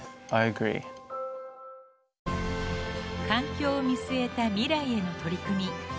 環境を見据えた未来への取り組み